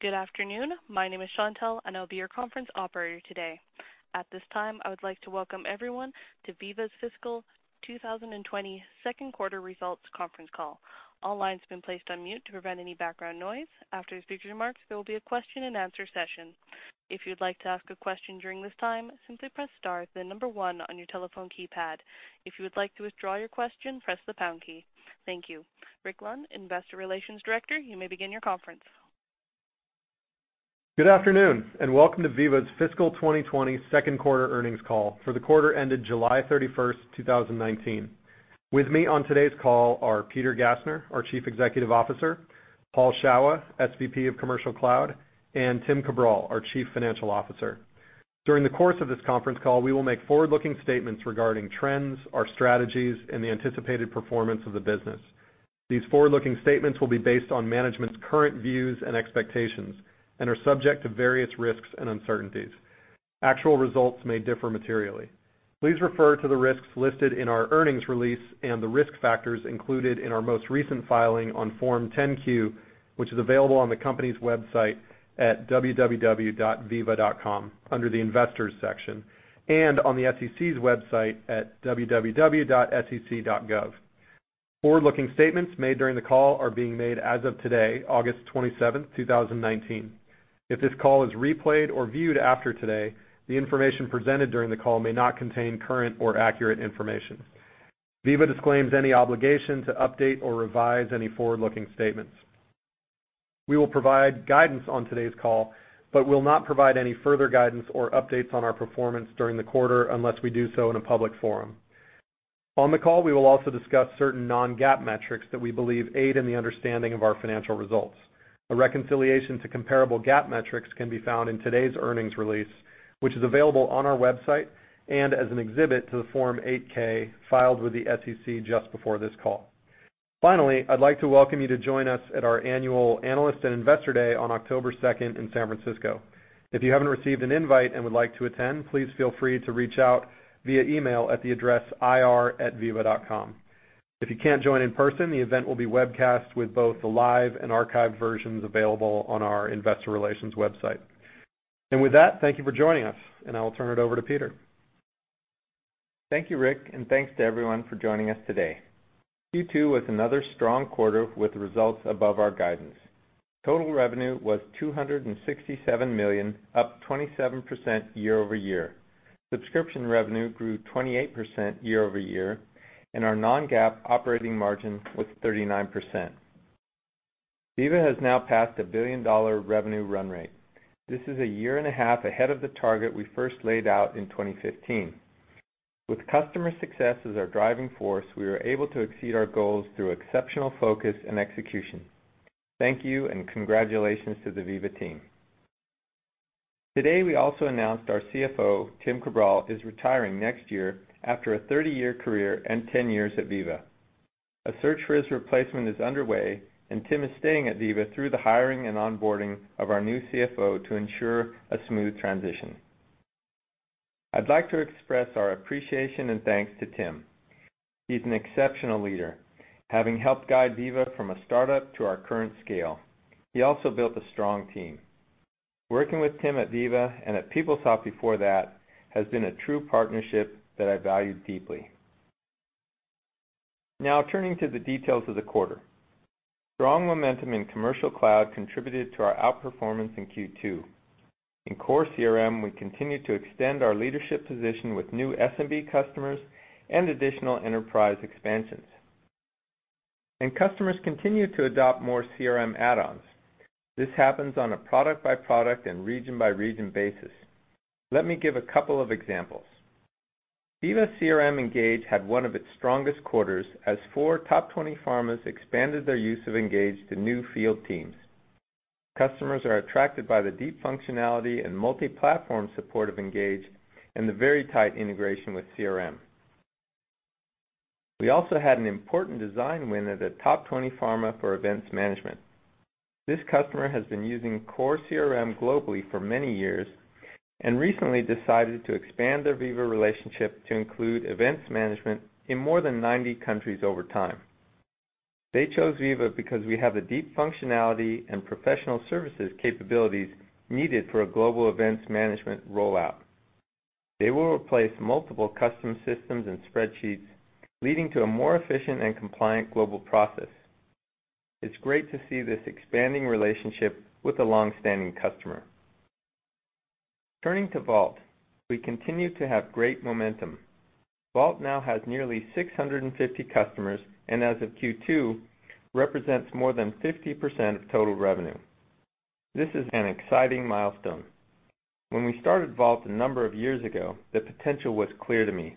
Good afternoon. My name is Chantelle, and I'll be your conference operator today. At this time, I would like to welcome everyone to Veeva's Fiscal 2020 Q2 Results Conference Call. All lines have been placed on mute to prevent any background noise. After the speaker remarks, there will be a question-and-answer session. If you'd like to ask a question during this time, simply press star, then number one on your telephone keypad. If you would like to withdraw your question, press the pound key. Thank you. Rick Lund, Investor Relations Director, you may begin your conference. Good afternoon. Welcome to Veeva's Fiscal 2020 Q2 earnings call for the quarter ended July 31, 2019. With me on today's call are Peter Gassner, our Chief Executive Officer, Paul Shawah, SVP of Commercial Cloud, and Tim Cabral, our Chief Financial Officer. During the course of this conference call, we will make forward-looking statements regarding trends, our strategies, and the anticipated performance of the business. These forward-looking statements will be based on management's current views and expectations and are subject to various risks and uncertainties. Actual results may differ materially. Please refer to the risks listed in our earnings release and the risk factors included in our most recent filing on Form 10-Q, which is available on the company's website at www.veeva.com under the Investors section and on the SEC's website at www.sec.gov. Forward-looking statements made during the call are being made as of today, August 27, 2019. If this call is replayed or viewed after today, the information presented during the call may not contain current or accurate information. Veeva disclaims any obligation to update or revise any forward-looking statements. We will provide guidance on today's call, but will not provide any further guidance or updates on our performance during the quarter unless we do so in a public forum. On the call, we will also discuss certain non-GAAP metrics that we believe aid in the understanding of our financial results. A reconciliation to comparable GAAP metrics can be found in today's earnings release, which is available on our website and as an exhibit to the Form 8-K filed with the SEC just before this call. Finally, I'd like to welcome you to join us at our Annual Analyst and Investor Day on October 2nd in San Francisco. If you haven't received an invite and would like to attend, please feel free to reach out via email at the address ir@veeva.com. If you can't join in person, the event will be webcast with both the live and archived versions available on our investor relations website. With that, thank you for joining us, and I will turn it over to Peter. Thank you, Rick, and thanks to everyone for joining us today. Q2 was another strong quarter with results above our guidance. Total revenue was $267 million, up 27% year-over-year. Subscription revenue grew 28% year-over-year, and our non-GAAP operating margin was 39%. Veeva has now passed a billion-dollar revenue run rate. This is a year and a half ahead of the target we first laid out in 2015. With customer success as our driving force, we were able to exceed our goals through exceptional focus and execution. Thank you, and congratulations to the Veeva team. Today, we also announced our CFO, Tim Cabral, is retiring next year after a 30-year career and 10 years at Veeva. A search for his replacement is underway, and Tim is staying at Veeva through the hiring and onboarding of our new CFO to ensure a smooth transition. I'd like to express our appreciation and thanks to Tim. He's an exceptional leader, having helped guide Veeva from a startup to our current scale. He also built a strong team. Working with Tim at Veeva and at PeopleSoft before that has been a true partnership that I value deeply. Turning to the details of the quarter. Strong momentum in Commercial Cloud contributed to our outperformance in Q2. In core CRM, we continued to extend our leadership position with new SMB customers and additional enterprise expansions. Customers continued to adopt more CRM add-ons. This happens on a product-by-product and region-by-region basis. Let me give a couple of examples. Veeva CRM Engage had one of its strongest quarters as four top 20 pharmas expanded their use of Engage to new field teams. Customers are attracted by the deep functionality and multi-platform support of Engage and the very tight integration with CRM. We also had an important design win at a top 20 pharma for Events Management. This customer has been using core CRM globally for many years and recently decided to expand their Veeva relationship to include Events Management in more than 90 countries over time. They chose Veeva because we have the deep functionality and professional services capabilities needed for a global Events Management rollout. They will replace multiple custom systems and spreadsheets, leading to a more efficient and compliant global process. It's great to see this expanding relationship with a long-standing customer. Turning to Vault, we continue to have great momentum. Vault now has nearly 650 customers, and as of Q2, represents more than 50% of total revenue. This is an exciting milestone. When we started Vault a number of years ago, the potential was clear to me.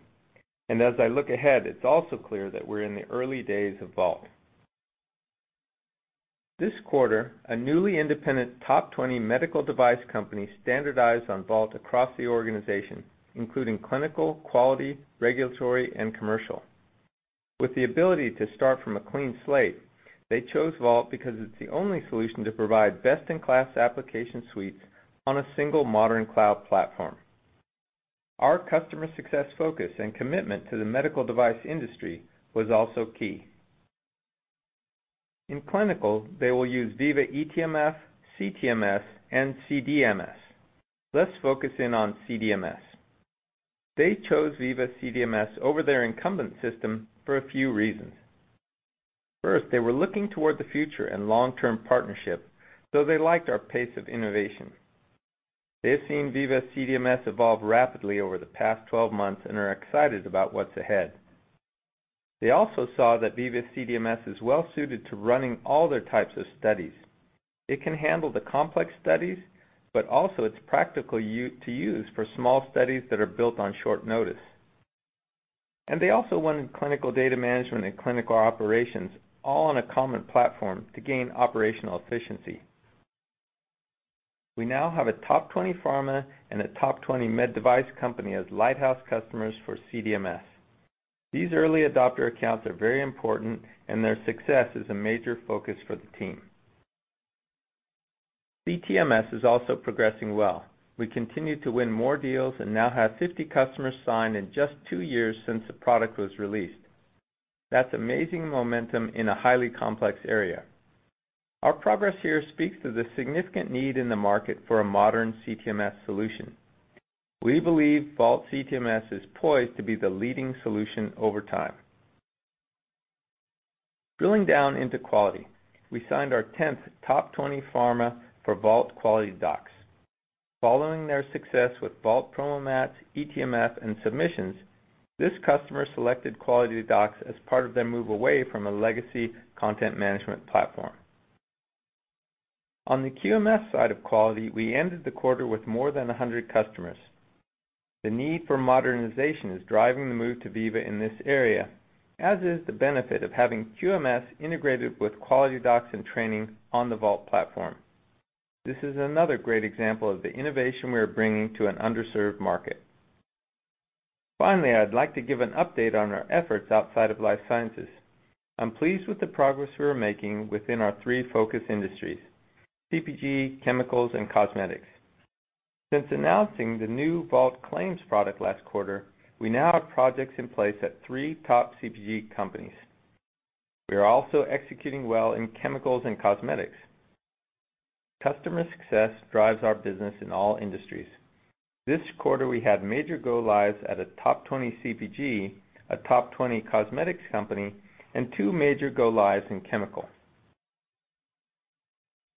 As I look ahead, it's also clear that we're in the early days of Vault. This quarter, a newly independent top 20 medical device company standardized on Vault across the organization, including clinical, quality, regulatory, and commercial. With the ability to start from a clean slate, they chose Vault because it's the only solution to provide best-in-class application suites on a single modern cloud platform. Our customer success focus and commitment to the medical device industry was also key. In clinical, they will use Veeva Vault eTMF, Veeva Vault CTMS, and Veeva Vault CDMS. Let's focus in on Veeva Vault CDMS. They chose Veeva Vault CDMS over their incumbent system for a few reasons. First, they were looking toward the future and long-term partnership, so they liked our pace of innovation. They have seen Veeva CDMS evolve rapidly over the past 12 months and are excited about what's ahead. They also saw that Veeva CDMS is well-suited to running all their types of studies. It can handle the complex studies, but also it's practical to use for small studies that are built on short notice. They also wanted clinical data management and clinical operations all on a common platform to gain operational efficiency. We now have a top 20 pharma and a top 20 med device company as lighthouse customers for CDMS. These early adopter accounts are very important, and their success is a major focus for the team. CTMS is also progressing well. We continue to win more deals and now have 50 customers signed in just two years since the product was released. That's amazing momentum in a highly complex area. Our progress here speaks to the significant need in the market for a modern CTMS solution. We believe Vault CTMS is poised to be the leading solution over time. Drilling down into quality, we signed our 10th top 20 pharma for Vault QualityDocs. Following their success with Veeva Vault PromoMats, eTMF, and Submissions, this customer selected QualityDocs as part of their move away from a legacy content management platform. On the QMS side of quality, we ended the quarter with more than 100 customers. The need for modernization is driving the move to Veeva in this area, as is the benefit of having QMS integrated with QualityDocs and training on the Vault platform. This is another great example of the innovation we are bringing to an underserved market. Finally, I'd like to give an update on our efforts outside of life sciences. I'm pleased with the progress we are making within our three focus industries, CPG, chemicals, and cosmetics. Since announcing the new Veeva Vault Claims product last quarter, we now have projects in place at three top CPG companies. We are also executing well in chemicals and cosmetics. Customer success drives our business in all industries. This quarter, we had major go-lives at a top 20 CPG, a top 20 cosmetics company, and two major go-lives in chemical.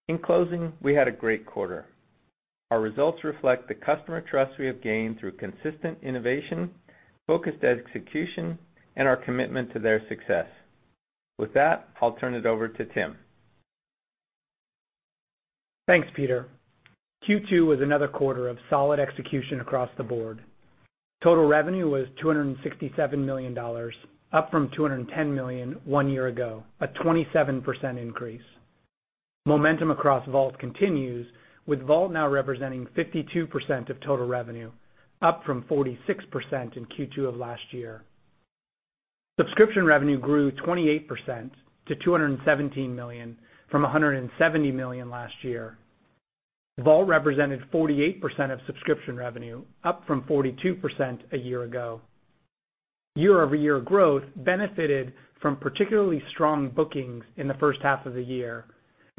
In closing, we had a great quarter. Our results reflect the customer trust we have gained through consistent innovation, focused execution, and our commitment to their success. With that, I'll turn it over to Tim. Thanks, Peter. Q2 was another quarter of solid execution across the board. Total revenue was $267 million, up from $210 million one year ago, a 27% increase. Momentum across Vault continues, with Vault now representing 52% of total revenue, up from 46% in Q2 of last year. Subscription revenue grew 28% to $217 million from $170 million last year. Vault represented 48% of subscription revenue, up from 42% one year ago. Year-over-year growth benefited from particularly strong bookings in the first half of the year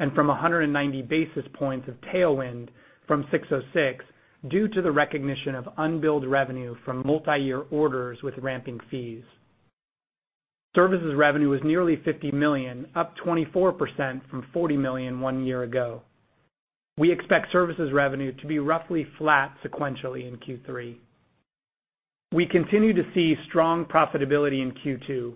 and from 190 basis points of tailwind from 606 due to the recognition of unbilled revenue from multi-year orders with ramping fees. Services revenue was nearly $50 million, up 24% from $40 million one year ago. We expect services revenue to be roughly flat sequentially in Q3. We continue to see strong profitability in Q2.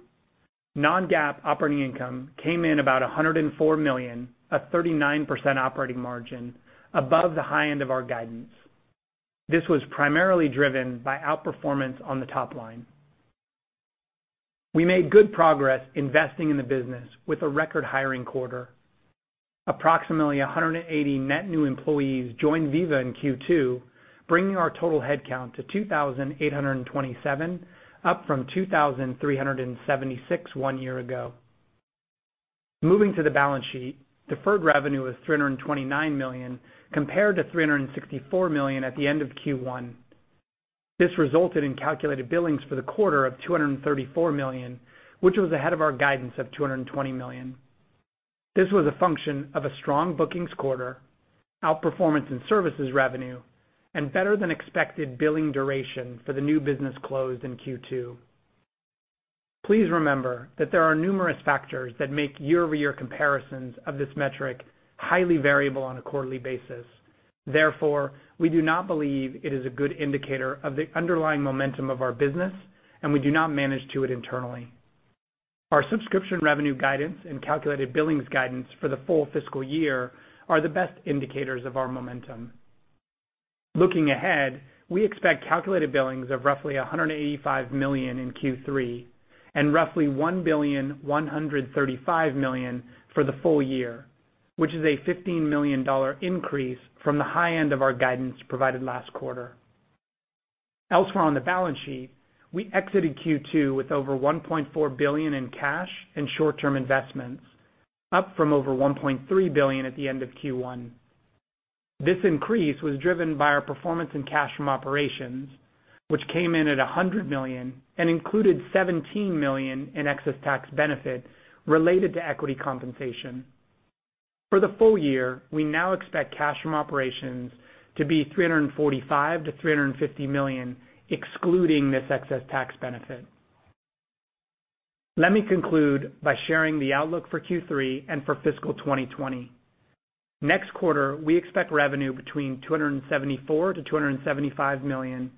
Non-GAAP operating income came in about $104 million, a 39% operating margin above the high end of our guidance. This was primarily driven by outperformance on the top line. We made good progress investing in the business with a record hiring quarter. Approximately 180 net new employees joined Veeva in Q2, bringing our total head count to 2,827, up from 2,376 1 year ago. Moving to the balance sheet, deferred revenue was $329 million, compared to $364 million at the end of Q1. This resulted in calculated billings for the quarter of $234 million, which was ahead of our guidance of $220 million. This was a function of a strong bookings quarter, outperformance in services revenue, and better than expected billing duration for the new business closed in Q2. Please remember that there are numerous factors that make year-over-year comparisons of this metric highly variable on a quarterly basis. We do not believe it is a good indicator of the underlying momentum of our business, and we do not manage to it internally. Our subscription revenue guidance and calculated billings guidance for the full fiscal year are the best indicators of our momentum. Looking ahead, we expect calculated billings of roughly $185 million in Q3 and roughly $1,135 million for the full year, which is a $15 million increase from the high end of our guidance provided last quarter. Elsewhere on the balance sheet, we exited Q2 with over $1.4 billion in cash and short-term investments. Up from over $1.3 billion at the end of Q1. This increase was driven by our performance in cash from operations, which came in at $100 million and included $17 million in excess tax benefit related to equity compensation. For the full year, we now expect cash from operations to be $345 million-$350 million, excluding this excess tax benefit. Let me conclude by sharing the outlook for Q3 and for fiscal 2020. Next quarter, we expect revenue between $274 million-$275 million,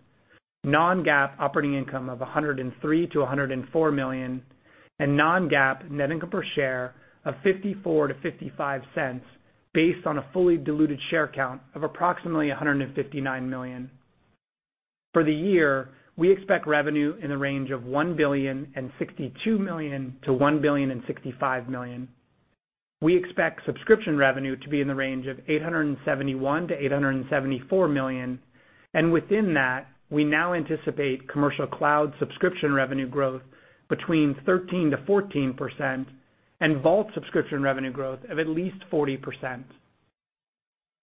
non-GAAP operating income of $103 million-$104 million, and non-GAAP net income per share of $0.54-$0.55 based on a fully diluted share count of approximately 159 million. For the year, we expect revenue in the range of $1.062 billion-$1.065 billion. We expect subscription revenue to be in the range of $871 million-$874 million, and within that, we now anticipate Commercial Cloud subscription revenue growth between 13%-14% and Vault subscription revenue growth of at least 40%.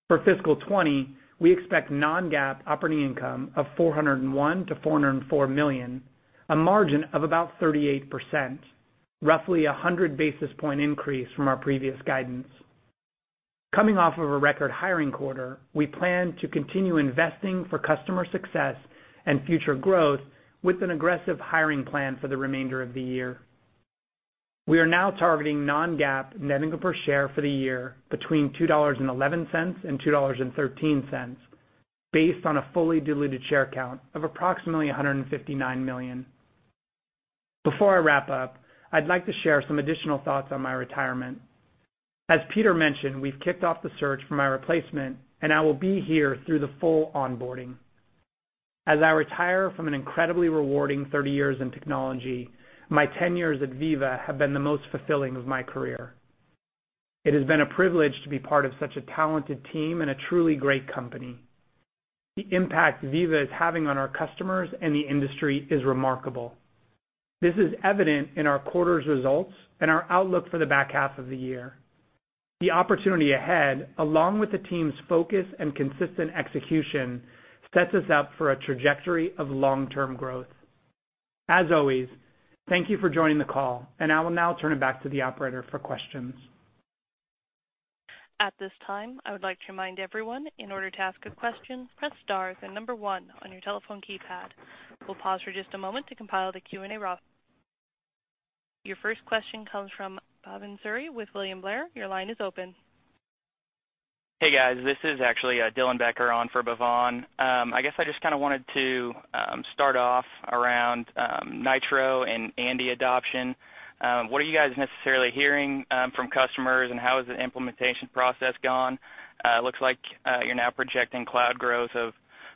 For fiscal 2020, we expect non-GAAP operating income of $401 million-$404 million, a margin of about 38%, roughly a 100 basis point increase from our previous guidance. Coming off of a record hiring quarter, we plan to continue investing for customer success and future growth with an aggressive hiring plan for the remainder of the year. We are now targeting non-GAAP net income per share for the year between $2.11 and $2.13 based on a fully diluted share count of approximately 159 million. Before I wrap up, I'd like to share some additional thoughts on my retirement. As Peter mentioned, we've kicked off the search for my replacement, and I will be here through the full onboarding. As I retire from an incredibly rewarding 30 years in technology, my 10 years at Veeva have been the most fulfilling of my career. It has been a privilege to be part of such a talented team and a truly great company. The impact Veeva is having on our customers and the industry is remarkable. This is evident in our quarter's results and our outlook for the back half of the year. The opportunity ahead, along with the team's focus and consistent execution, sets us up for a trajectory of long-term growth. As always, thank you for joining the call. I will now turn it back to the operator for questions. At this time, I would like to remind everyone, in order to ask a question, press star, then number one on your telephone keypad. We'll pause for just a moment to compile the Q&A roll. Your first question comes from Bhavin Suri with William Blair. Your line is open. Hey, guys. This is actually Dylan Becker on for Bhavin. I guess I just kinda wanted to start off around Nitro and Andi adoption. What are you guys necessarily hearing from customers, and how has the implementation process gone? It looks like you're now projecting cloud growth of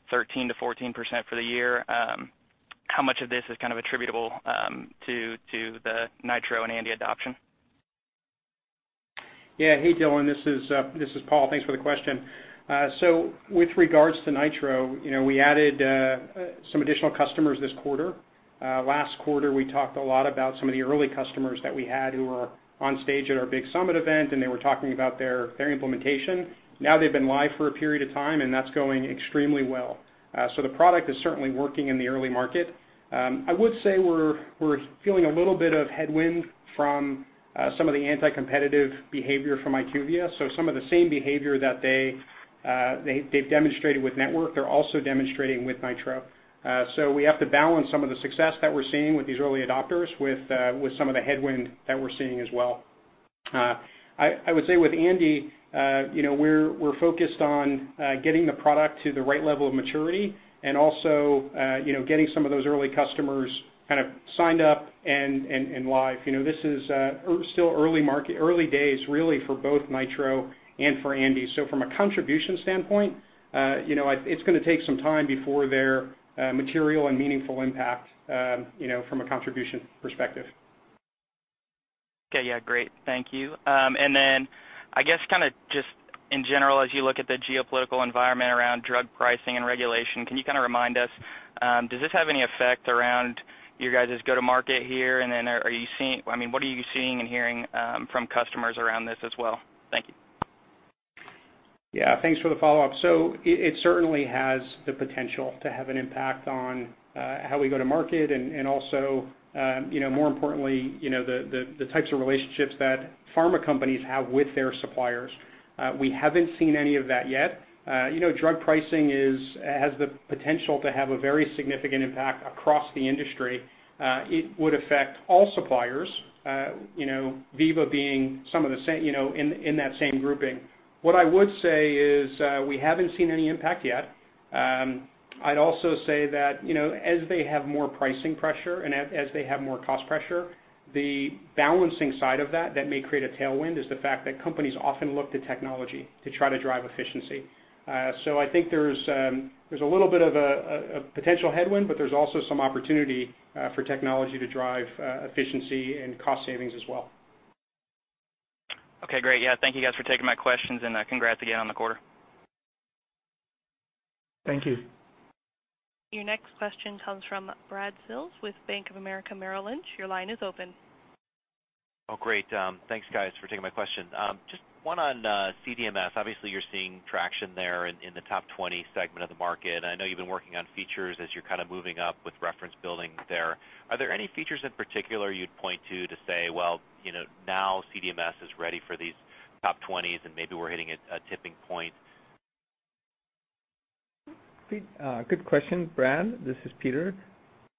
13%-14% for the year. How much of this is kind of attributable to the Nitro and Andi adoption? Yeah. Hey, Dylan. This is Paul. Thanks for the question. With regards to Nitro, you know, we added some additional customers this quarter. Last quarter, we talked a lot about some of the early customers that we had who were on stage at our big summit event, and they were talking about their implementation. Now, they've been live for a period of time, and that's going extremely well. The product is certainly working in the early market. I would say we're feeling a little bit of headwind from some of the anti-competitive behavior from IQVIA. Some of the same behavior that they've demonstrated with Network, they're also demonstrating with Nitro. We have to balance some of the success that we're seeing with these early adopters with some of the headwind that we're seeing as well. I would say with Andi, you know, we're focused on getting the product to the right level of maturity and also, you know, getting some of those early customers kind of signed up and live. You know, this is still early days really for both Nitro and for Andi. From a contribution standpoint, you know, it's gonna take some time before their material and meaningful impact, you know, from a contribution perspective. Okay. Yeah, great. Thank you. I guess kinda just in general, as you look at the geopolitical environment around drug pricing and regulation, can you kinda remind us, does this have any effect around you guys' go-to-market here? Are you seeing, I mean, what are you seeing and hearing from customers around this as well? Thank you. Yeah. Thanks for the follow-up. It certainly has the potential to have an impact on how we go to market and also, you know, more importantly, you know, the types of relationships that pharma companies have with their suppliers. We haven't seen any of that yet. You know, drug pricing has the potential to have a very significant impact across the industry. It would affect all suppliers, you know, Veeva being some of the same, you know, in that same grouping. What I would say is we haven't seen any impact yet. I'd also say that, you know, as they have more pricing pressure and as they have more cost pressure, the balancing side of that may create a tailwind, is the fact that companies often look to technology to try to drive efficiency. I think there's a little bit of a potential headwind, but there's also some opportunity for technology to drive efficiency and cost savings as well. Okay. Great. Yeah. Thank you guys for taking my questions, and congrats again on the quarter. Thank you. Your next question comes from Brad Sills with Bank of America Merrill Lynch. Your line is open. Oh, great. Thanks guys for taking my question. Just one on CDMS. Obviously, you're seeing traction there in the top 20 segment of the market. I know you've been working on features as you're kind of moving up with reference building there. Are there any features in particular you'd point to say, "Well, you know, now CDMS is ready for these top 20s, and maybe we're hitting a tipping point? Good question, Brad. This is Peter.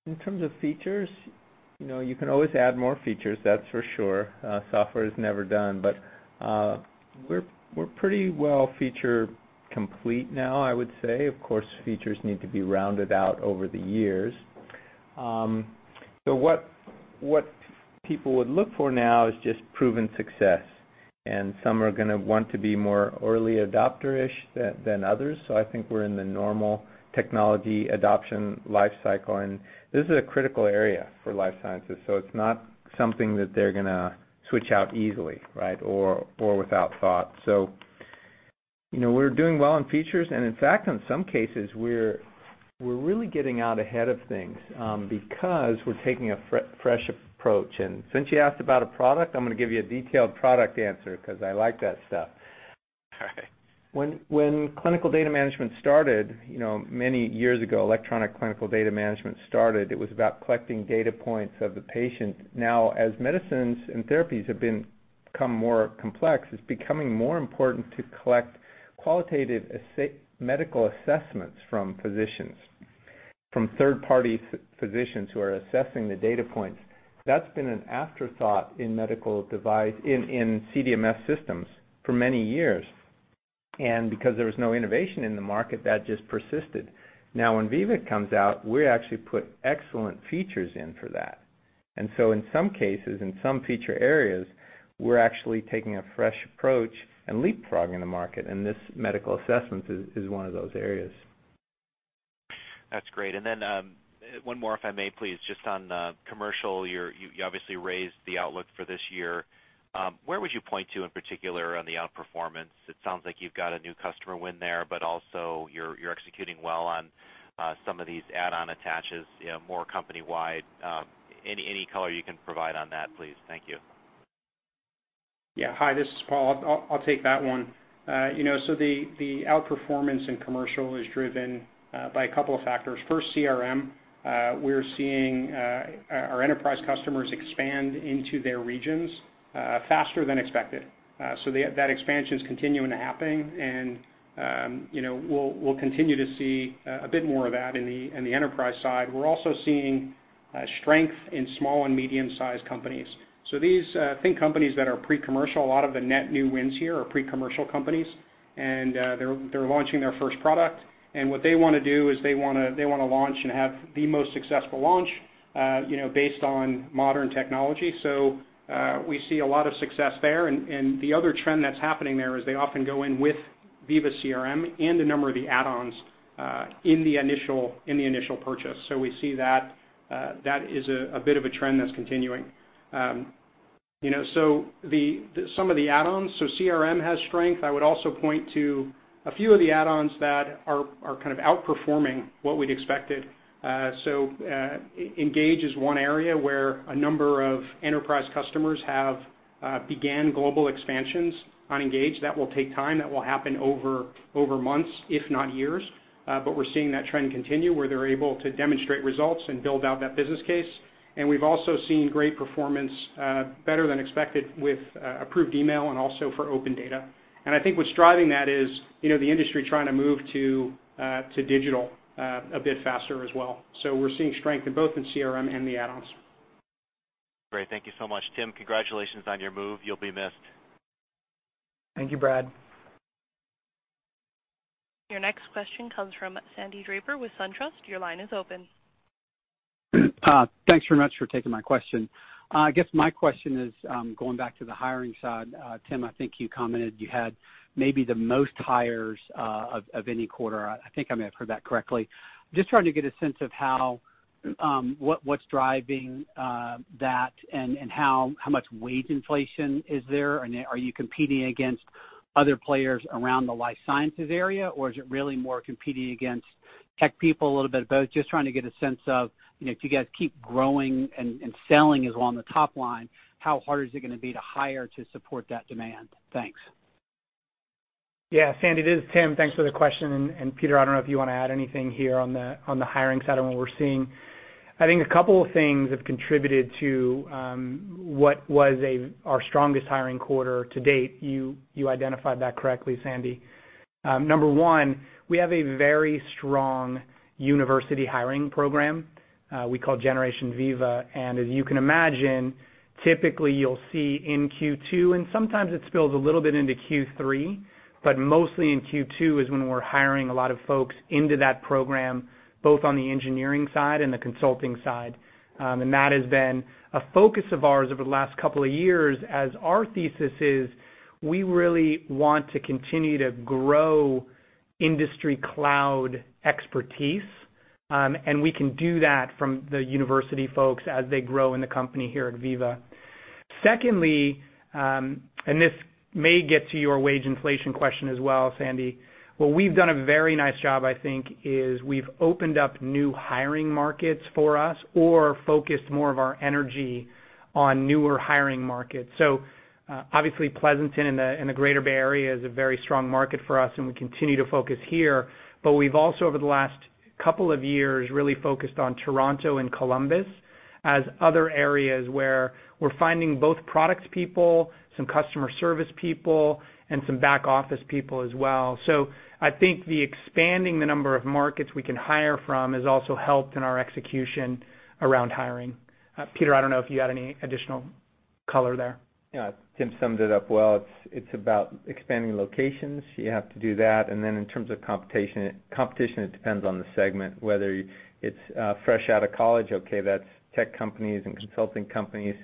In terms of features, you know, you can always add more features, that's for sure. Software is never done. We're pretty well feature complete now, I would say. Of course, features need to be rounded out over the years. What people would look for now is just proven success. Some are gonna want to be more early adopter-ish than others. I think we're in the normal technology adoption lifecycle. This is a critical area for life sciences, so it's not something that they're gonna switch out easily, right? Without thought. You know, we're doing well in features, and in fact, in some cases we're really getting out ahead of things, because we're taking a fresh approach. Since you asked about a product, I'm gonna give you a detailed product answer, 'cause I like that stuff. All right. When clinical data management started, you know, many years ago, electronic clinical data management started, it was about collecting data points of the patient. Now, as medicines and therapies have become more complex, it's becoming more important to collect qualitative medical assessments from physicians, from third-party physicians who are assessing the data points. That's been an afterthought in medical device in CDMS systems for many years. Because there was no innovation in the market, that just persisted. Now, when Veeva comes out, we actually put excellent features in for that. In some cases, in some feature areas, we're actually taking a fresh approach and leapfrogging the market, and this medical assessment is one of those areas. That's great. One more if I may, please. Just on commercial, you obviously raised the outlook for this year. Where would you point to in particular on the outperformance? It sounds like you've got a new customer win there, but also you're executing well on some of these add-on attaches, you know, more company-wide. Any color you can provide on that, please. Thank you. Yeah. Hi, this is Paul. I'll take that one. You know, the outperformance in commercial is driven by a couple of factors. First, CRM. We're seeing our enterprise customers expand into their regions faster than expected. That expansion's continuing to happening and, you know, we'll continue to see a bit more of that in the enterprise side. We're also seeing strength in small and medium-sized companies. These think companies that are pre-commercial. A lot of the net new wins here are pre-commercial companies and they're launching their first product. What they wanna do is they wanna launch and have the most successful launch, you know, based on modern technology. We see a lot of success there. The other trend that's happening there is they often go in with Veeva CRM and a number of the add-ons in the initial purchase. We see that that is a bit of a trend that's continuing. You know, some of the add-ons. CRM has strength. I would also point to a few of the add-ons that are kind of outperforming what we'd expected. Engage is one area where a number of enterprise customers have began global expansions on Engage. That will take time. That will happen over months, if not years. We're seeing that trend continue, where they're able to demonstrate results and build out that business case. We've also seen great performance better than expected with Approved Email and also for OpenData. I think what's driving that is, you know, the industry trying to move to digital, a bit faster as well. We're seeing strength in both in CRM and the add-ons. Great. Thank you so much. Tim, congratulations on your move. You'll be missed. Thank you, Brad. Your next question comes from Sandy Draper with SunTrust. Your line is open. Thanks very much for taking my question. I guess my question is going back to the hiring side. Tim, I think you commented you had maybe the most hires of any quarter. I think I may have heard that correctly. Just trying to get a sense of what's driving that and how much wage inflation is there? Are you competing against other players around the life sciences area, or is it really more competing against tech people, a little bit of both? Just trying to get a sense of, you know, if you guys keep growing and selling is on the top line, how hard is it gonna be to hire to support that demand? Thanks. Yeah. Sandy, this is Tim. Thanks for the question. Peter, I don't know if you wanna add anything here on the hiring side and what we're seeing. I think a couple of things have contributed to what was our strongest hiring quarter to date. You identified that correctly, Sandy. Number one, we have a very strong university hiring program, we call Generation Veeva. As you can imagine, typically you'll see in Q2, and sometimes it spills a little bit into Q3, but mostly in Q2 is when we're hiring a lot of folks into that program, both on the engineering side and the consulting side. That has been a focus of ours over the last couple of years, as our thesis is we really want to continue to grow industry cloud expertise. We can do that from the university folks as they grow in the company here at Veeva. Secondly, this may get to your wage inflation question as well, Sandy. What we've done a very nice job, I think, is we've opened up new hiring markets for us or focused more of our energy on newer hiring markets. Obviously Pleasanton and the Greater Bay Area is a very strong market for us, and we continue to focus here. We've also, over the last couple of years, really focused on Toronto and Columbus as other areas where we're finding both products people, some customer service people, and some back-office people as well. I think the expanding the number of markets we can hire from has also helped in our execution around hiring. Peter, I don't know if you had any additional color there. Yeah. Tim summed it up well. It's about expanding locations. You have to do that. Then in terms of competition, it depends on the segment, whether it's fresh out of college, okay, that's tech companies and consulting companies.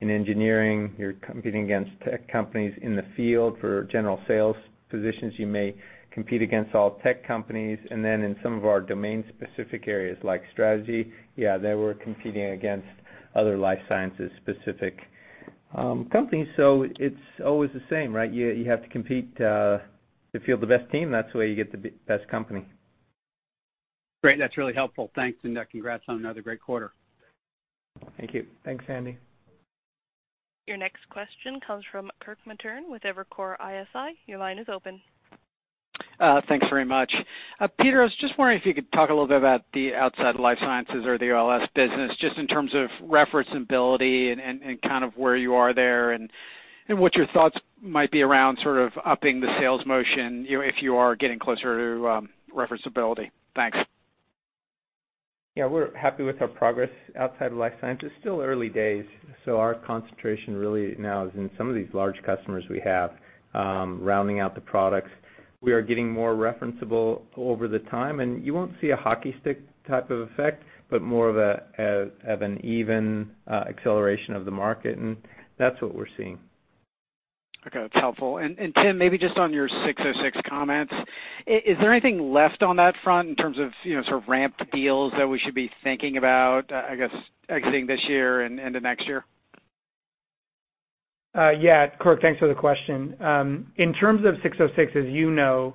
In engineering, you're competing against tech companies. In the field for general sales positions, you may compete against all tech companies. Then in some of our domain-specific areas like strategy, yeah, there we're competing against other life sciences-specific companies. It's always the same, right? You have to compete to field the best team. That's the way you get the best company. Great. That's really helpful. Thanks. Congrats on another great quarter. Thank you. Thanks, Sandy. Your next question comes from Kirk Materne with Evercore ISI. Your line is open. Thanks very much. Peter, I was just wondering if you could talk a little bit about the outside life sciences or the OLS business, just in terms of referenceability and kind of where you are there and what your thoughts might be around sort of upping the sales motion, you know, if you are getting closer to referenceability. Thanks. Yeah, we're happy with our progress outside of life sciences. Still early days, so our concentration really now is in some of these large customers we have, rounding out the products. We are getting more referenceable over the time. You won't see a hockey stick type of effect, but more of an even acceleration of the market, and that's what we're seeing. Okay, that's helpful. Tim, maybe just on your 606 comments. Is there anything left on that front in terms of, you know, sort of ramped deals that we should be thinking about, I guess exiting this year and into next year? Yeah. Kirk, thanks for the question. In terms of 606, as you know,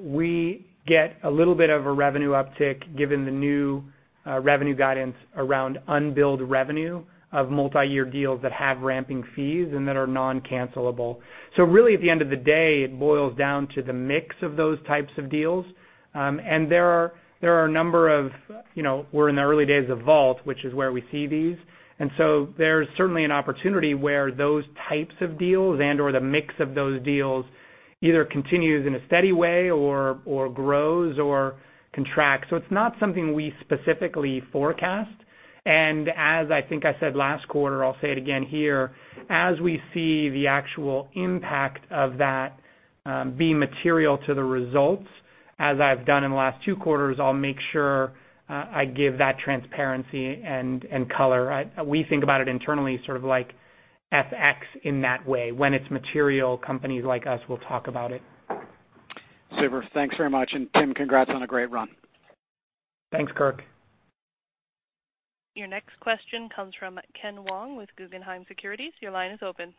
we get a little bit of a revenue uptick given the new revenue guidance around unbilled revenue of multi-year deals that have ramping fees and that are non-cancelable. Really at the end of the day, it boils down to the mix of those types of deals. There are a number of, you know, we're in the early days of Vault, which is where we see these. There's certainly an opportunity where those types of deals and/or the mix of those deals either continues in a steady way or grows or contracts. It's not something we specifically forecast. as I think I said last quarter, I'll say it again here, as we see the actual impact of that, be material to the results, as I've done in the last two quarters, I'll make sure, I give that transparency and color. We think about it internally sort of like FX in that way. When it's material, companies like us will talk about it. Super. Thanks very much. Tim, congrats on a great run. Thanks, Kirk. Your next question comes from Ken Wong with Guggenheim Securities. Your line is open.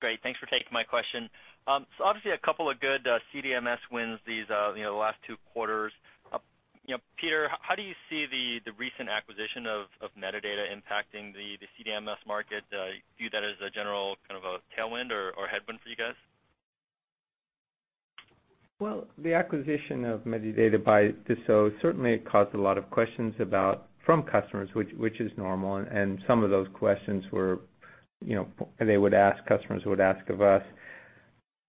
Great. Thanks for taking my question. Obviously a couple of good CDMS wins these, you know, last two quarters. You know, Peter, how do you see the recent acquisition of Medidata impacting the CDMS market? Do you view that as a general kind of a tailwind or headwind for you guys? Well, the acquisition of Medidata by Dassault certainly caused a lot of questions from customers, which is normal, and some of those questions were, you know, they would ask, customers would ask of us,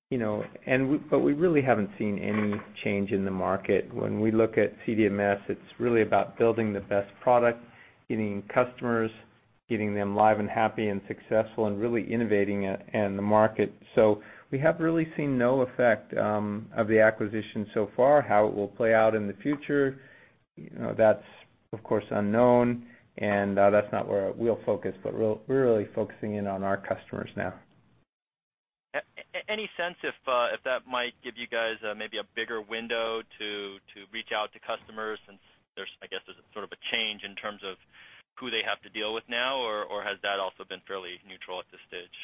you know. But we really haven't seen any change in the market. When we look at CDMS, it's really about building the best product, getting customers, getting them live and happy and successful and really innovating it in the market. We have really seen no effect of the acquisition so far. How it will play out in the future, you know, that's of course unknown and that's not where we'll focus, but we're really focusing in on our customers now. Any sense if that might give you guys, maybe a bigger window to reach out to customers since there's, I guess, there's sort of a change in terms of who they have to deal with now, or has that also been fairly neutral at this stage?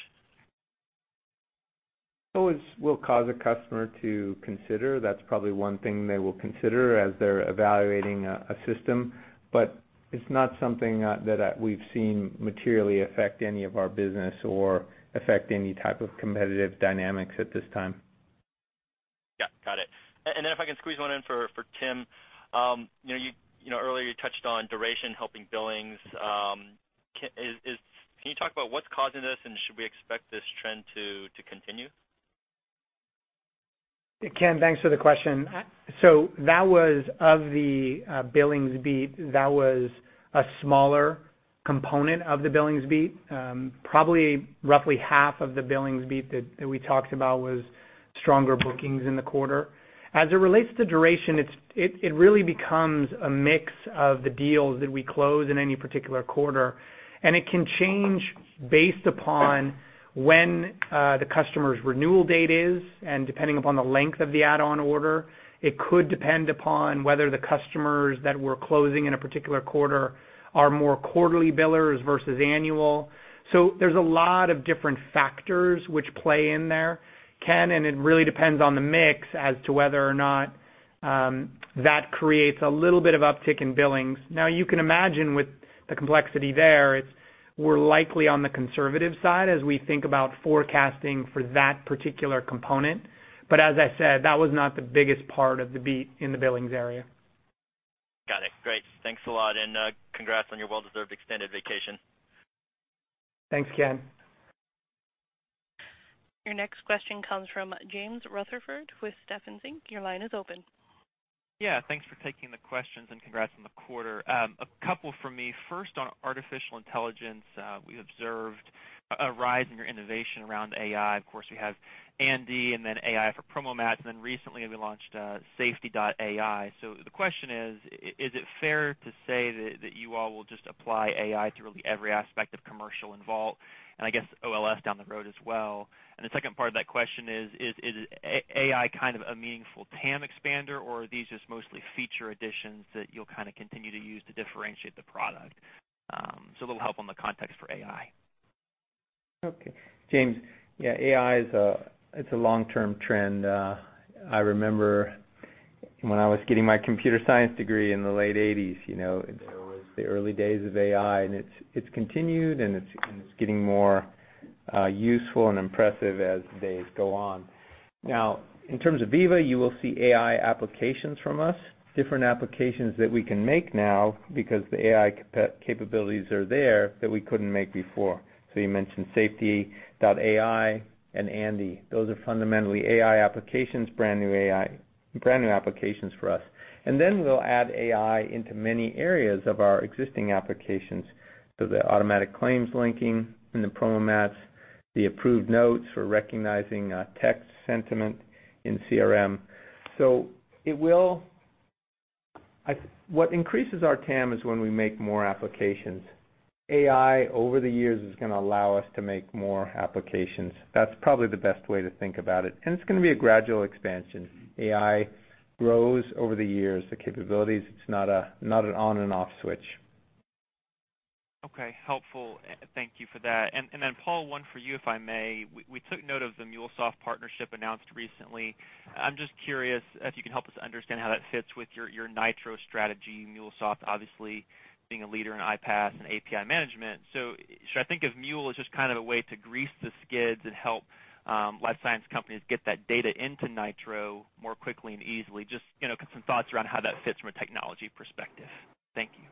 Always will cause a customer to consider. That's probably one thing they will consider as they're evaluating a system. It's not something that we've seen materially affect any of our business or affect any type of competitive dynamics at this time. Yeah, got it. If I can squeeze one in for Tim. You know, earlier you touched on duration helping billings. Can you talk about what's causing this? Should we expect this trend to continue? Ken, thanks for the question. That was of the billings beat, that was a smaller component of the billings beat. Probably roughly half of the billings beat that we talked about was stronger bookings in the quarter. As it relates to duration, it really becomes a mix of the deals that we close in any particular quarter, and it can change based upon when the customer's renewal date is and depending upon the length of the add-on order. It could depend upon whether the customers that we're closing in a particular quarter are more quarterly billers versus annual. There's a lot of different factors which play in there, Ken, and it really depends on the mix as to whether or not that creates a little bit of uptick in billings. Now you can imagine with the complexity there, it's, we're likely on the conservative side as we think about forecasting for that particular component. As I said, that was not the biggest part of the beat in the billings area. Got it. Great. Thanks a lot, and congrats on your well-deserved extended vacation. Thanks, Ken. Your next question comes from James Rutherford with Stephens Inc. Your line is open. Yeah, thanks for taking the questions, and congrats on the quarter. A couple from me. First, on artificial intelligence, we observed a rise in your innovation around AI. Of course, we have Veeva Andi and then AI for PromoMats, and then recently we launched Safety.AI. The question is it fair to say that you all will just apply AI to really every aspect of commercial involved, and I guess OLS down the road as well? The second part of that question is AI kind of a meaningful TAM expander or are these just mostly feature additions that you'll kind of continue to use to differentiate the product? A little help on the context for AI. Okay. James, yeah, AI is it's a long-term trend. I remember when I was getting my computer science degree in the late eighties, you know, it was the early days of AI, and it's continued and it's getting more useful and impressive as the days go on. In terms of Veeva, you will see AI applications from us, different applications that we can make now because the AI capabilities are there that we couldn't make before. You mentioned Safety.AI and Andi. Those are fundamentally AI applications, brand new AI applications for us. We'll add AI into many areas of our existing applications. The automatic claims linking in the PromoMats, the Approved Notes for recognizing text sentiment in CRM. What increases our TAM is when we make more applications. AI over the years is gonna allow us to make more applications. That's probably the best way to think about it, and it's gonna be a gradual expansion. AI grows over the years, the capabilities. It's not an on and off switch. Okay. Helpful. Thank you for that. Then, Paul, one for you, if I may. We took note of the MuleSoft partnership announced recently. I'm just curious if you can help us understand how that fits with your Nitro strategy. MuleSoft obviously being a leader in iPaaS and API management. Should I think of Mule as just kind of a way to grease the skids and help life science companies get that data into Nitro more quickly and easily? Just, you know, some thoughts around how that fits from a technology perspective. Thank you.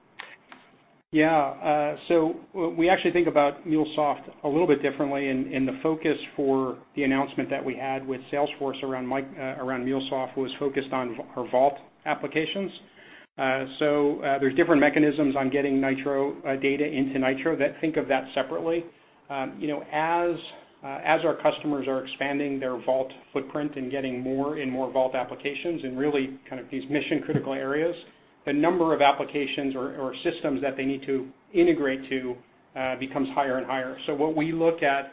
Yeah. We actually think about MuleSoft a little bit differently, and the focus for the announcement that we had with Salesforce around MuleSoft was focused on our Vault applications. There's different mechanisms on getting Nitro data into Nitro that think of that separately. You know, as our customers are expanding their Vault footprint and getting more and more Vault applications in really kind of these mission-critical areas, the number of applications or systems that they need to integrate to becomes higher and higher. What we look at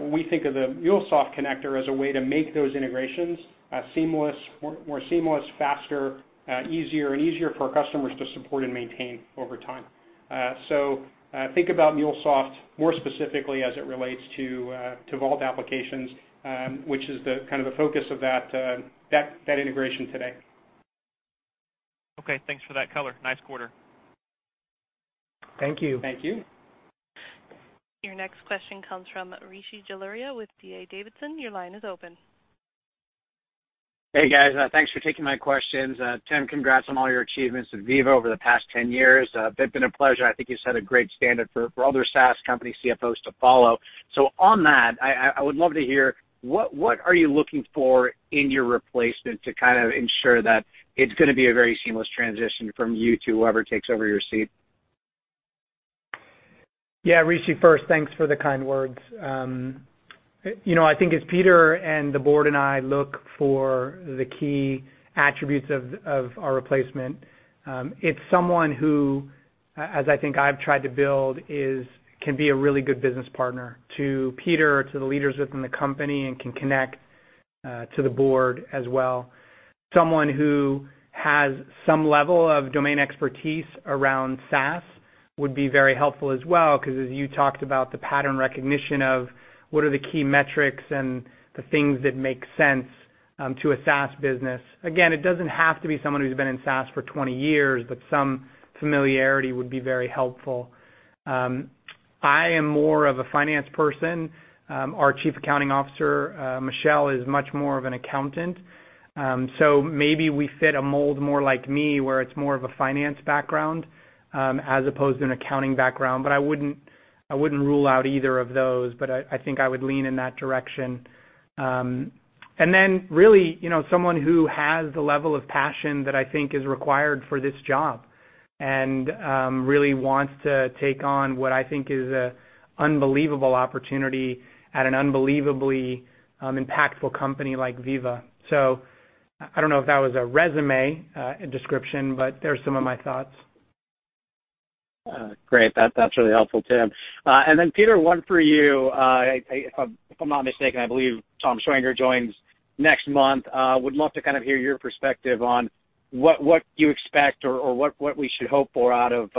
when we think of the MuleSoft connector as a way to make those integrations seamless, more seamless, faster, easier, and easier for our customers to support and maintain over time. think about MuleSoft more specifically as it relates to Vault applications, which is the kind of the focus of that integration today. Okay. Thanks for that color. Nice quarter. Thank you. Thank you. Your next question comes from Rishi Jaluria with D.A. Davidson. Your line is open. Hey, guys. Thanks for taking my questions. Tim, congrats on all your achievements with Veeva over the past 10 years. They've been a pleasure. I think you set a great standard for other SaaS company CFOs to follow. On that, I would love to hear what are you looking for in your replacement to kind of ensure that it's gonna be a very seamless transition from you to whoever takes over your seat? Yeah, Rishi, first, thanks for the kind words. You know, I think as Peter and the board and I look for the key attributes of our replacement, it's someone who, as I think I've tried to build, can be a really good business partner to Peter, to the leaders within the company, and can connect to the board as well. Someone who has some level of domain expertise around SaaS would be very helpful as well, 'cause as you talked about the pattern recognition of what are the key metrics and the things that make sense to a SaaS business. Again, it doesn't have to be someone who's been in SaaS for 20 years, but some familiarity would be very helpful. I am more of a finance person. Our Chief Accounting Officer, Michelle, is much more of an accountant. Maybe we fit a mold more like me, where it's more of a finance background, as opposed to an accounting background. I wouldn't rule out either of those, but I think I would lean in that direction. And then really, you know, someone who has the level of passion that I think is required for this job and really wants to take on what I think is a unbelievable opportunity at an unbelievably impactful company like Veeva. I don't know if that was a resume description, but there are some of my thoughts. Great. That's really helpful, Tim. Then Peter, one for you. If I'm not mistaken, I believe Tom Schwenger joins next month. Would love to kind of hear your perspective on what you expect or what we should hope for out of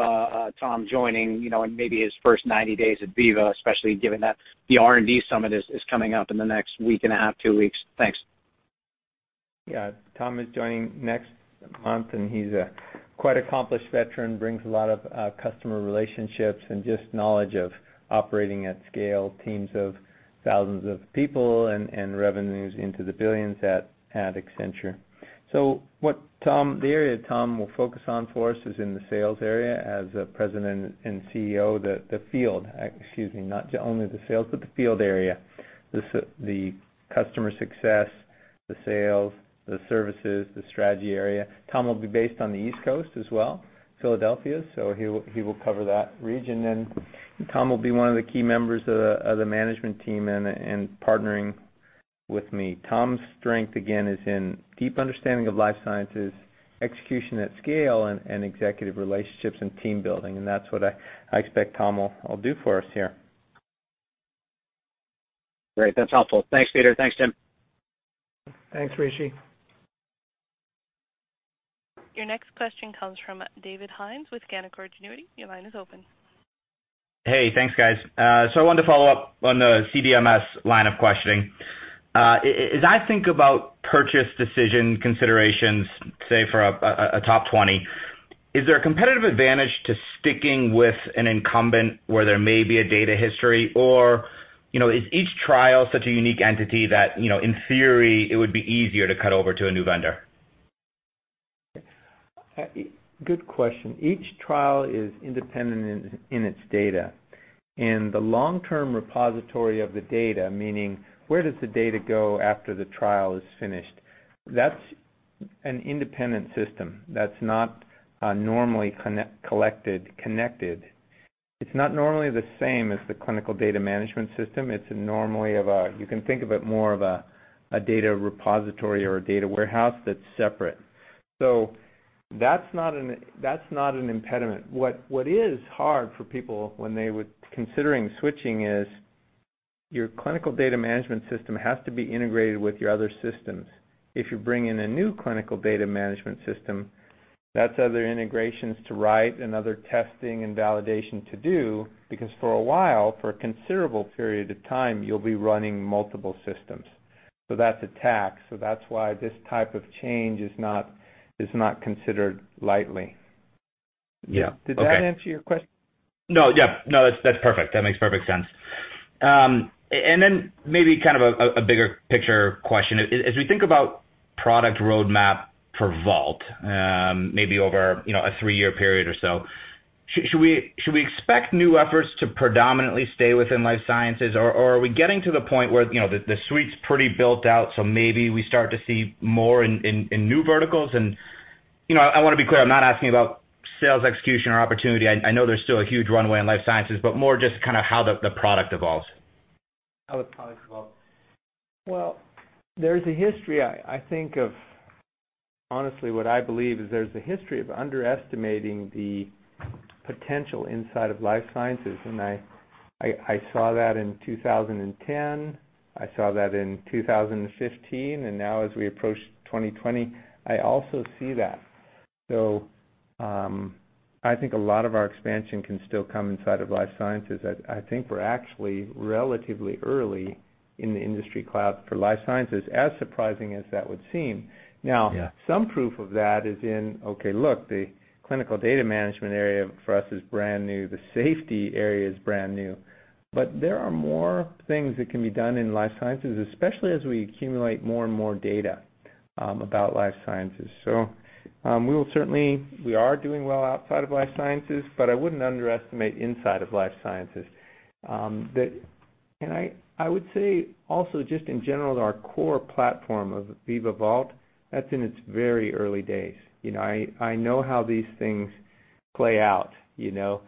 Tom joining, you know, and maybe his first 90 days at Veeva, especially given that the R&D summit is coming up in the next week and a half, two weeks. Thanks. Tom is joining next month. He is a quite accomplished veteran, brings a lot of customer relationships and just knowledge of operating at scale, teams of thousands of people and revenues into the billions at Accenture. The area Tom will focus on for us is in the sales area as a President and CEO, the field. Not only the sales, but the field area. The customer success, the sales, the services, the strategy area. Tom will be based on the East Coast as well, Philadelphia. He will cover that region. Tom will be one of the key members of the management team and partnering with me. Tom's strength, again, is in deep understanding of life sciences, execution at scale and executive relationships and team building, and that's what I expect Tom will do for us here. Great. That's helpful. Thanks, Peter. Thanks, Tim. Thanks, Rishi. Your next question comes from DJ Hynes with Canaccord Genuity. Your line is open. Hey, thanks, guys. I wanted to follow up on the CDMS line of questioning. As I think about purchase decision considerations, say for a top 20, is there a competitive advantage to sticking with an incumbent where there may be a data history? You know, is each trial such a unique entity that, you know, in theory, it would be easier to cut over to a new vendor? Good question. Each trial is independent in its data. The long-term repository of the data, meaning where does the data go after the trial is finished, that's an independent system. That's not normally collected, connected. It's not normally the same as the clinical data management system. It's normally you can think of it more of a data repository or a data warehouse that's separate. That's not an impediment. What is hard for people when they considering switching is your clinical data management system has to be integrated with your other systems. If you bring in a new clinical data management system, that's other integrations to write and other testing and validation to do, because for a while, for a considerable period of time, you'll be running multiple systems. That's a tack. That's why this type of change is not considered lightly. Yeah. Okay. Did that answer your question? No. Yeah. No, that's perfect. That makes perfect sense. Then maybe kind of a bigger picture question. As we think about product roadmap for Vault, maybe over, you know, a three-year period or so, should we expect new efforts to predominantly stay within life sciences? Are we getting to the point where, you know, the suite's pretty built out, so maybe we start to see more in new verticals? You know, I wanna be clear, I'm not asking about sales execution or opportunity. I know there's still a huge runway in life sciences, but more just kind of how the product evolves. How the product evolves. Well, there's a history I think of Honestly, what I believe is there's a history of underestimating the potential inside of life sciences. I saw that in 2010. I saw that in 2015. Now as we approach 2020, I also see that. I think a lot of our expansion can still come inside of life sciences. I think we're actually relatively early in the industry cloud for life sciences, as surprising as that would seem. Yeah. Now, some proof of that is in, okay, look, the clinical data management area for us is brand new. The safety area is brand new. There are more things that can be done in life sciences, especially as we accumulate more and more data about life sciences. We are doing well outside of life sciences, but I wouldn't underestimate inside of life sciences. That and I would say also just in general, our core platform of Veeva Vault, that's in its very early days. You know, I know how these things play out, you know.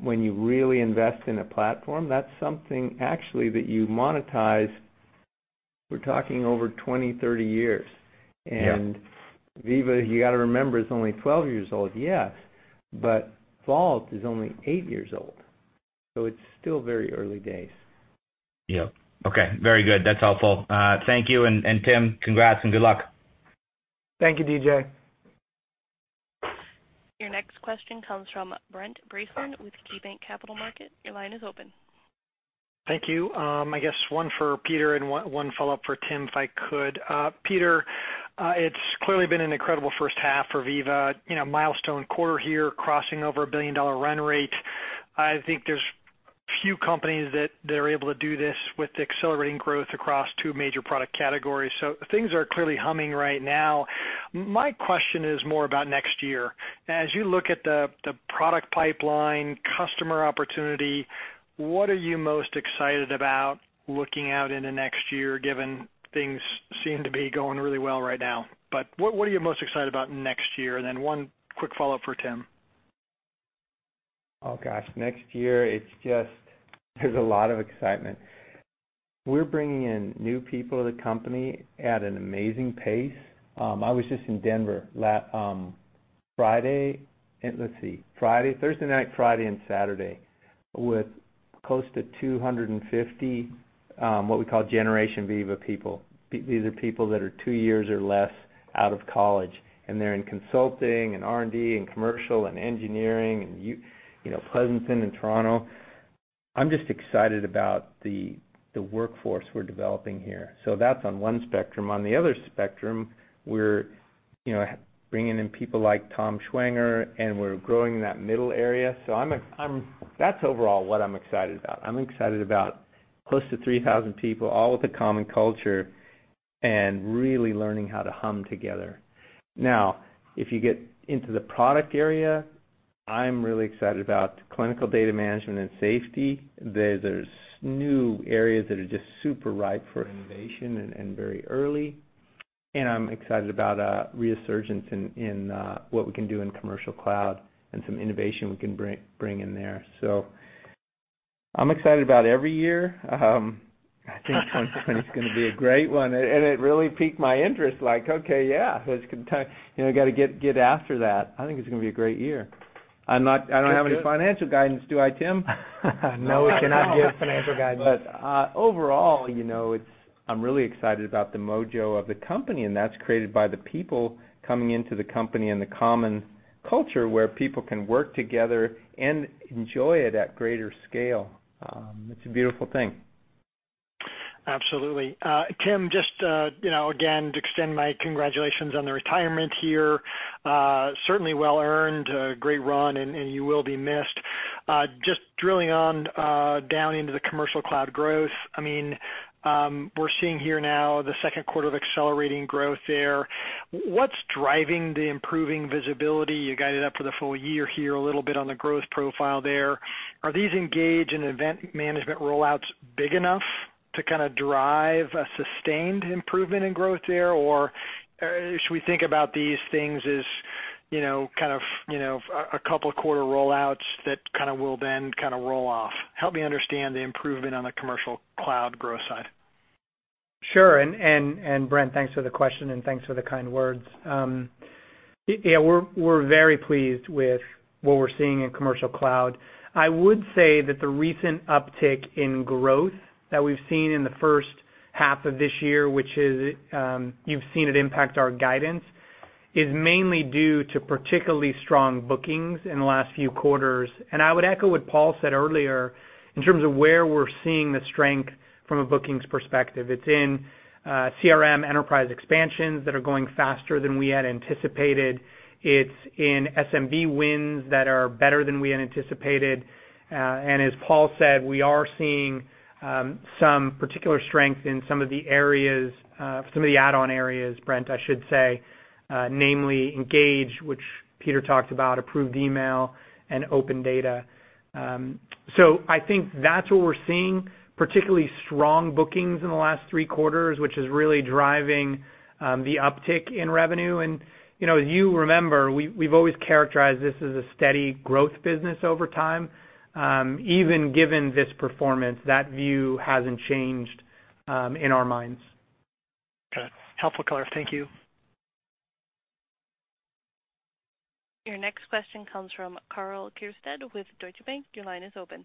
When you really invest in a platform, that's something actually that you monetize, we're talking over 20-30 years. Yeah. Veeva, you gotta remember, is only 12 years old, yes. Vault is only eight years old, so it's still very early days. Yeah. Okay. Very good. That's helpful. Thank you. Tim, congrats and good luck. Thank you, DJ. Your next question comes from Brent Bracelin with KeyBanc Capital Markets. Your line is open. Thank you. I guess one for Peter and one follow-up for Tim, if I could. Peter, it's clearly been an incredible first half for Veeva. You know, milestone quarter here, crossing over a billion-dollar run rate. I think there's few companies that they're able to do this with accelerating growth across two major product categories. Things are clearly humming right now. My question is more about next year. As you look at the product pipeline, customer opportunity, what are you most excited about looking out into next year, given things seem to be going really well right now? What are you most excited about next year? One quick follow-up for Tim. Oh, gosh. Next year, it's just there's a lot of excitement. We're bringing in new people to the company at an amazing pace. I was just in Denver Friday, and let's see, Friday, Thursday night, Friday, and Saturday with close to 250 what we call Generation Veeva people. These are people that are two years or less out of college, and they're in consulting and R&D and commercial and engineering and you know, Pleasanton and Toronto. I'm just excited about the workforce we're developing here. That's on one spectrum. On the other spectrum, we're, you know, bringing in people like Tom Schwenger, and we're growing that middle area. That's overall what I'm excited about. I'm excited about close to 3,000 people, all with a common culture, and really learning how to hum together. Now, if you get into the product area, I'm really excited about clinical data management and safety. There, there's new areas that are just super ripe for innovation and very early. I'm excited about a resurgence in what we can do in Commercial Cloud and some innovation we can bring in there. I'm excited about every year. I think 2020's gonna be a great one, and it really piqued my interest like, okay, yeah, it's gonna you know, gotta get after that. I think it's gonna be a great year. I'm not, I don't have any financial guidance, do I, Tim? No, we cannot give financial guidance. Overall, you know, I'm really excited about the mojo of the company, and that's created by the people coming into the company and the common culture where people can work together and enjoy it at greater scale. It's a beautiful thing. Absolutely. Tim, just, you know, again, to extend my congratulations on the retirement here, certainly well earned, a great run, and you will be missed. Just drilling down into the Commercial Cloud growth, I mean, we're seeing here now the Q2 of accelerating growth there. What's driving the improving visibility? You guided up for the full year here a little bit on the growth profile there. Are these Engage and Event Management rollouts big enough to kinda drive a sustained improvement in growth there? Should we think about these things as, you know, kind of, you know, a couple quarter rollouts that kinda will then kinda roll off? Help me understand the improvement on the Commercial Cloud growth side. Sure. Brent, thanks for the question, and thanks for the kind words. Yeah, we're very pleased with what we're seeing in Commercial Cloud. I would say that the recent uptick in growth that we've seen in the first half of this year, which is, you've seen it impact our guidance, is mainly due to particularly strong bookings in the last few quarters. I would echo what Paul said earlier in terms of where we're seeing the strength from a bookings perspective. It's in CRM enterprise expansions that are going faster than we had anticipated. It's in SMB wins that are better than we had anticipated. As Paul said, we are seeing some particular strength in some of the areas, some of the add-on areas, Brent, I should say, namely Engage, which Peter talked about, Approved Email, and OpenData. Data. I think that's what we're seeing, particularly strong bookings in the last three quarters, which is really driving the uptick in revenue. You know, as you remember, we've always characterized this as a steady growth business over time. Even given this performance, that view hasn't changed in our minds. Got it. Helpful color. Thank you. Your next question comes from Karl Keirstead with Deutsche Bank. Your line is open.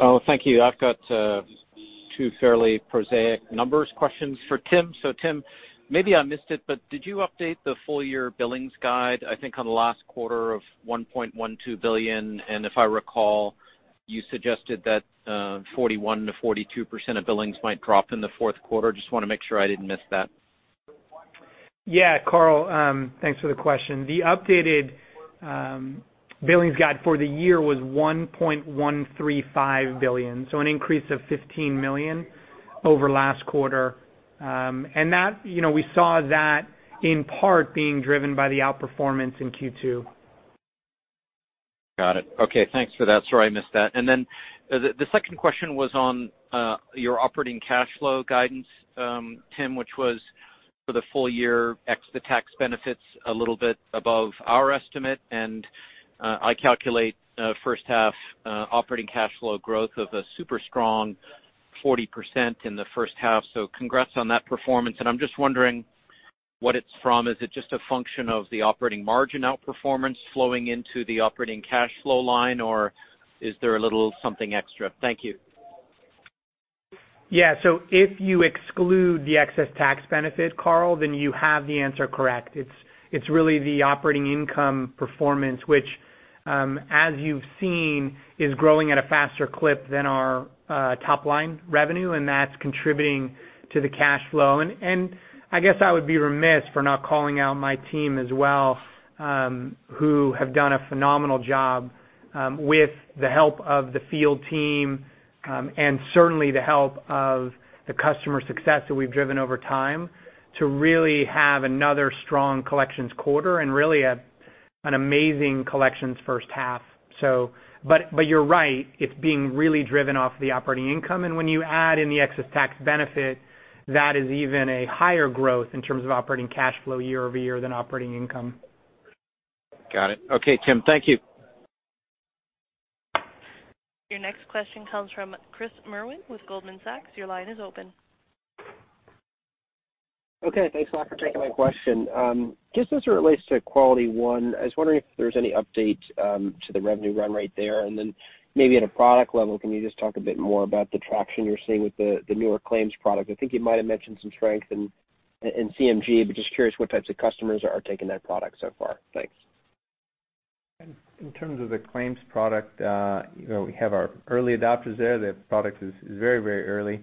Oh, thank you. I've got two fairly prosaic numbers questions for Tim. Tim, maybe I missed it, but did you update the full year billings guide, I think, on the last quarter of $1.12 billion? If I recall, you suggested that, 41%-42% of billings might drop in the fourth quarter. Just wanna make sure I didn't miss that. Yeah, Karl, thanks for the question. The updated billings guide for the year was $1.135 billion, so an increase of $15 million over last quarter. That, you know, we saw that in part being driven by the outperformance in Q2. Got it. Okay, thanks for that. Sorry, I missed that. Then the second question was on your operating cash flow guidance, Tim, which was for the full year ex the tax benefits a little bit above our estimate. I calculate first half operating cash flow growth of a super strong 40% in the first half. Congrats on that performance. I'm just wondering what it's from. Is it just a function of the operating margin outperformance flowing into the operating cash flow line, or is there a little something extra? Thank you. Yeah. If you exclude the excess tax benefit, Karl, then you have the answer correct. It's really the operating income performance, which, as you've seen, is growing at a faster clip than our top line revenue, and that's contributing to the cash flow. I guess I would be remiss for not calling out my team as well, who have done a phenomenal job, with the help of the field team, and certainly the help of the customer success that we've driven over time to really have another strong collections quarter and really an amazing collections first half. You're right. It's being really driven off the operating income. When you add in the excess tax benefit, that is even a higher growth in terms of operating cash flow year over year than operating income. Got it. Okay, Tim, thank you. Your next question comes from Chris Merwin with Goldman Sachs. Your line is open. Okay, thanks a lot for taking my question. Just as it relates to QualityOne, I was wondering if there's any update to the revenue run right there. Maybe at a product level, can you just talk a bit more about the traction you're seeing with the newer claims product? I think you might have mentioned some strength in CPG, but just curious what types of customers are taking that product so far. Thanks. In terms of the claims product, you know, we have our early adopters there. The product is very, very early.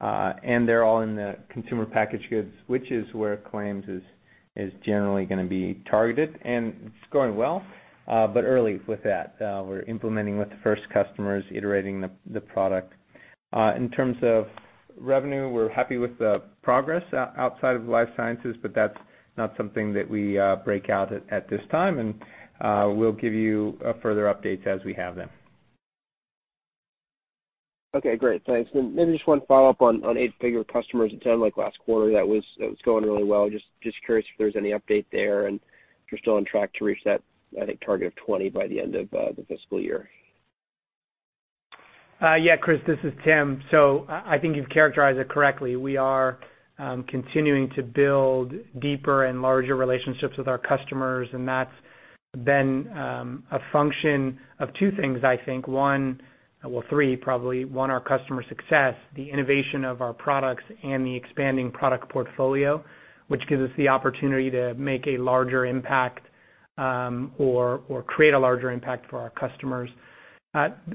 They're all in the consumer packaged goods, which is where claims is generally gonna be targeted, and it's going well, but early with that. We're implementing with the first customers, iterating the product. In terms of revenue, we're happy with the progress outside of life sciences, but that's not something that we break out at this time, and we'll give you further updates as we have them. Okay, great. Thanks. Maybe just one follow-up on eight-figure customers. It sounded like last quarter that was going really well. Just curious if there's any update there and if you're still on track to reach that, I think, target of 20 by the end of the fiscal year. yeah, Chris, this is Tim. I think you've characterized it correctly. We are continuing to build deeper and larger relationships with our customers, and that's been a function of two things, I think. One, well, three probably. One, our customer success, the innovation of our products, and the expanding product portfolio, which gives us the opportunity to make a larger impact or create a larger impact for our customers.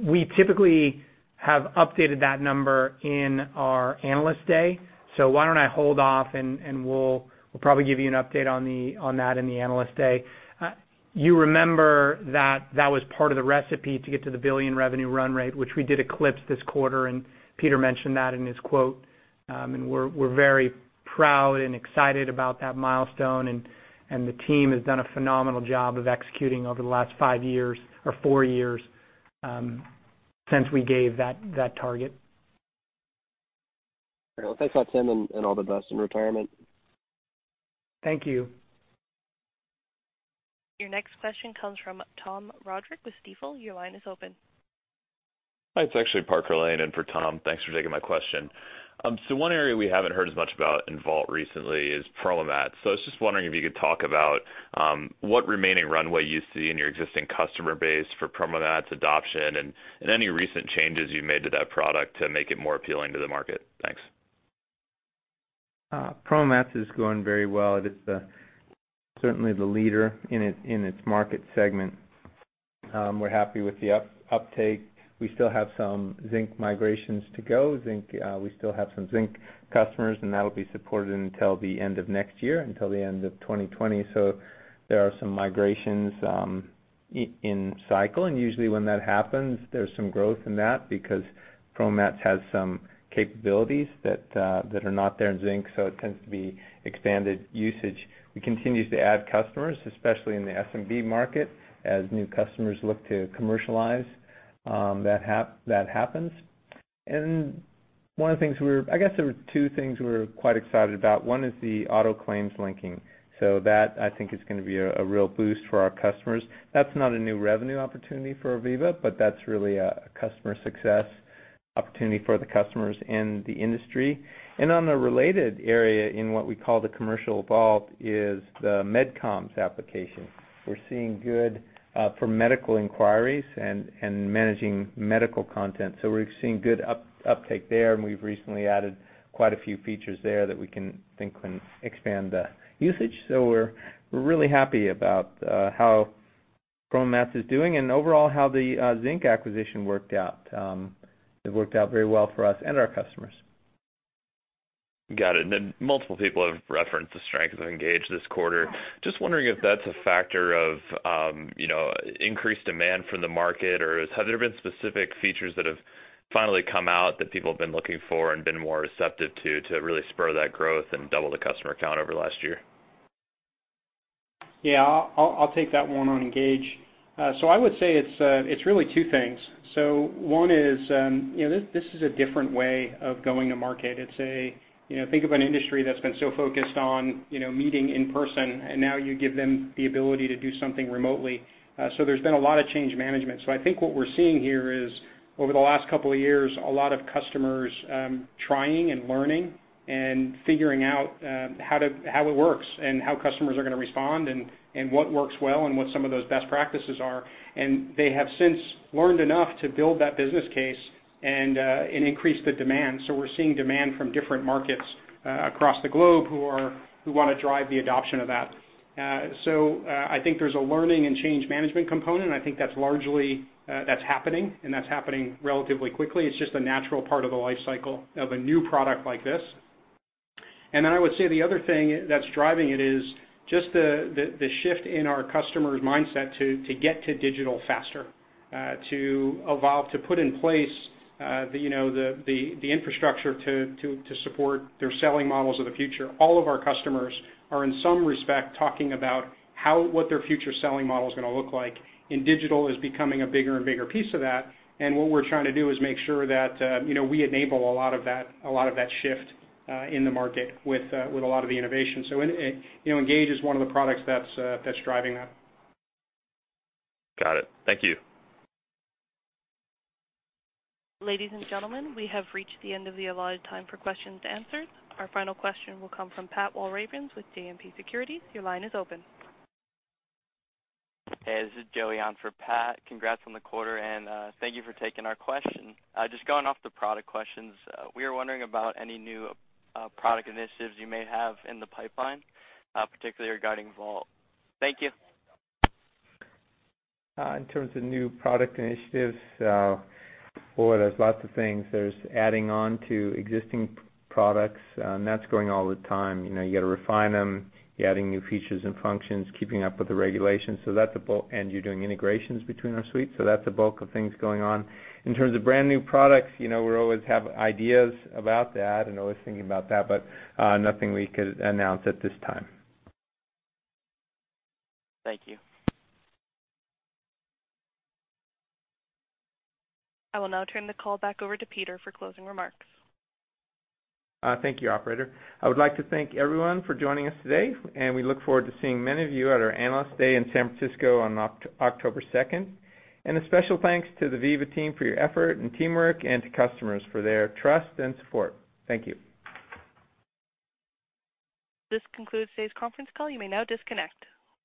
We typically have updated that number in our Analyst Day. Why don't I hold off, and we'll probably give you an update on that in the Analyst Day. You remember that was part of the recipe to get to the billion revenue run rate, which we did eclipse this quarter, and Peter mentioned that in his quote. We're very proud and excited about that milestone, and the team has done a phenomenal job of executing over the last five years or four years, since we gave that target. All right. Well, thanks a lot, Tim, and all the best in retirement. Thank you. Your next question comes from Tom Roderick with Stifel. Your line is open. Hi, it's actually Parker Lane in for Tom. Thanks for taking my question. One area we haven't heard as much about in Vault recently is PromoMats. I was just wondering if you could talk about what remaining runway you see in your existing customer base for PromoMats' adoption and any recent changes you've made to that product to make it more appealing to the market. Thanks. PromoMats is going very well. It is the, certainly the leader in its, in its market segment. We're happy with the uptake. We still have some Zinc migrations to go. Zinc, we still have some Zinc customers, and that'll be supported until the end of next year, until the end of 2020. There are some migrations in cycle, and usually when that happens, there's some growth in that because PromoMats has some capabilities that are not there in Zinc, so it tends to be expanded usage. We continue to add customers, especially in the SMB market. As new customers look to commercialize, that happens. I guess there were two things we were quite excited about. One is the auto claims linking. That I think is gonna be a real boost for our customers. That's not a new revenue opportunity for Veeva, but that's really a customer success opportunity for the customers and the industry. On a related area in what we call the Commercial Vault is the MedComms application. We're seeing good for medical inquiries and managing medical content. We're seeing good uptake there, and we've recently added quite a few features there that we can think can expand the usage. We're really happy about how PromoMats is doing and overall how the Zinc acquisition worked out. It worked out very well for us and our customers. Got it. Then multiple people have referenced the strength of Engage this quarter. Just wondering if that's a factor of, you know, increased demand from the market, or have there been specific features that have finally come out that people have been looking for and been more receptive to really spur that growth and double the customer count over last year? Yeah, I'll take that one on Engage. I would say it's really two things. One is, you know, this is a different way of going to market. It's, you know, think of an industry that's been so focused on, you know, meeting in person, and now you give them the ability to do something remotely. There's been a lot of change management. I think what we're seeing here is over the last couple of years, a lot of customers trying and learning and figuring out how it works and how customers are gonna respond and what works well and what some of those best practices are. They have since learned enough to build that business case and increase the demand. We're seeing demand from different markets across the globe who wanna drive the adoption of that. I think there's a learning and change management component, and I think that's largely that's happening relatively quickly. It's just a natural part of the life cycle of a new product like this. I would say the other thing that's driving it is just the shift in our customers' mindset to get to digital faster to evolve to put in place you know the infrastructure to support their selling models of the future. All of our customers are in some respect talking about how what their future selling model is gonna look like and digital is becoming a bigger and bigger piece of that. What we're trying to do is make sure that, you know, we enable a lot of that, a lot of that shift, in the market with a lot of the innovation. You know, Engage is one of the products that's driving that. Got it. Thank you. Ladies and gentlemen, we have reached the end of the allotted time for questions and answers. Our final question will come from Pat Walravens with JMP Securities. Your line is open. Hey, this is Joey on for Pat. Congrats on the quarter, and thank you for taking our question. Just going off the product questions, we were wondering about any new, product initiatives you may have in the pipeline, particularly regarding Vault. Thank you. In terms of new product initiatives, boy, there's lots of things. There's adding on to existing products, that's going all the time. You know, you gotta refine them. You're adding new features and functions, keeping up with the regulations. That's the bulk. You're doing integrations between our suites. That's the bulk of things going on. In terms of brand-new products, you know, we always have ideas about that and always thinking about that, but nothing we could announce at this time. Thank you. I will now turn the call back over to Peter for closing remarks. Thank you, Operator. I would like to thank everyone for joining us today, and we look forward to seeing many of you at our Analyst Day in San Francisco on October second. A special thanks to the Veeva team for your effort and teamwork and to customers for their trust and support. Thank you. This concludes today's conference call. You may now disconnect.